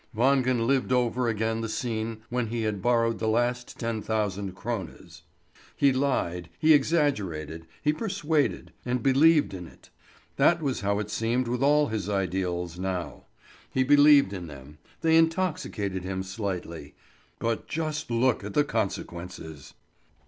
Wangen lived over again the scene when he had borrowed the last ten thousand krones. He lied, he exaggerated, he persuaded and believed in it. That was how it seemed with all his ideals now. He believed in them; they intoxicated him slightly; but just look at the consequences!